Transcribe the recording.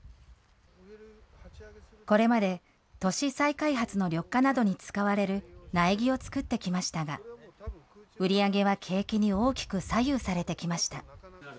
これまで、都市再開発の緑化などに使われる苗木を作ってきましたが、売り上げは景気に大きく左右されてきました。